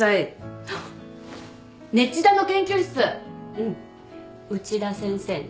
うん内田先生ね。